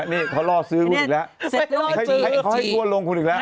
นี่เขาล่อซื้อคุณอีกแล้วให้เขาให้ทั่วลงคุณอีกแล้ว